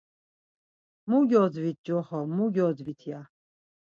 Mu gyodvit, coxo mu gyodvit ya.